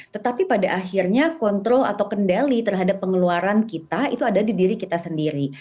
tetapi pada akhirnya kontrol atau kendali terhadap pengeluaran kita itu ada di diri kita sendiri